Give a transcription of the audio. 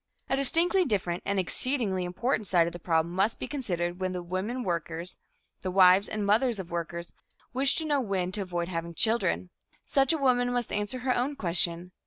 A distinctly different and exceedingly important side of the problem must be considered when the women workers, the wives and the mothers of workers, wish to know when to avoid having children. Such a woman must answer her own question.